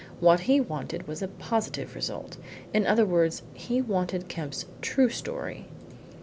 What he wanted was a positive result. In other words, he wanted Kemp's true story.